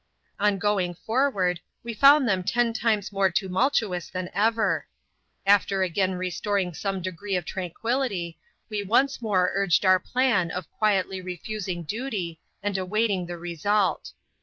On going forward, we found them ten times more tumultuous than ever. After again restoring some degree of tranquillity, we once more urged our plan of quietly refusing duty, and CHAP, xxn.] THE CONSUL'S DEPARTURE. 85 awaiting the result.